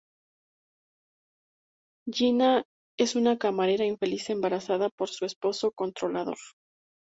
Jenna es una camarera infeliz embarazada por su esposo controlador.